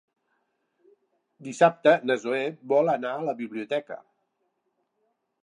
Dissabte na Zoè vol anar a la biblioteca.